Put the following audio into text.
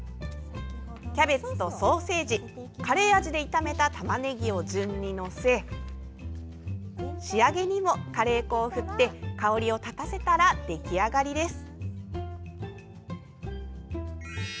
キャベツとソーセージカレー味で炒めたたまねぎを順に載せ仕上げにもカレー粉を振って香りを立たせたら出来上がりです。